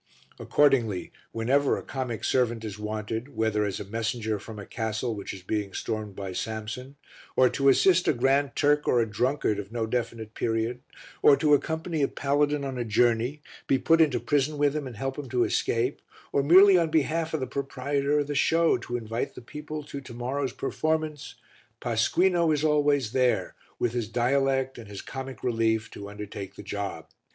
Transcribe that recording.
Accordingly, whenever a comic servant is wanted, whether as a messenger from a castle which is being stormed by Samson, or to assist a Grand Turk or a drunkard of no definite period, or to accompany a paladin on a journey, be put into prison with him and help him to escape, or merely on behalf of the proprietor of the show to invite the people to to morrow's performance, Pasquino is always there, with his dialect and his comic relief, to undertake the job.